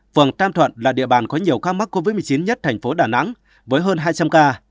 phường tam thuận là địa bàn có nhiều ca mắc covid một mươi chín nhất thành phố đà nẵng với hơn hai trăm linh ca